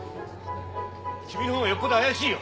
キミのほうがよっぽど怪しいよ。